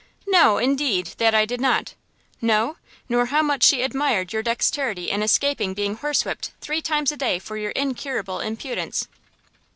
"No, indeed, that I did not! "No? Nor how much she admired your dexterity in escaping being horse whipt three times a day for your incurable impudence?"